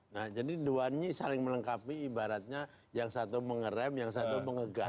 nah jadi dua ini saling melengkapi ibaratnya yang satu mengeram yang satu mengegam